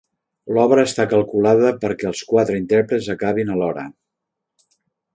L’obra està calculada perquè els quatre intèrprets acabin alhora.